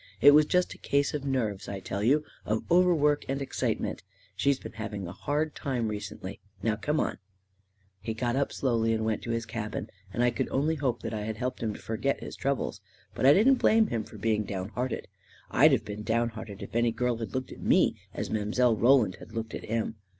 It was just a case of nerves, I tell you — of overwork and ex citement. She's been having a hard time recently. Now come on I " He got up slowly and went to his cabin; and I could only hope that I had helped him to forget his troubles. But I didn't blame him for being down hearted; I'd have been downhearted if any girl had looked at me as Mile. Roland had looked at him.